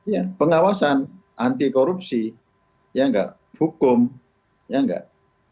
ya pengawasan anti korupsi ya nggak hukum ya enggak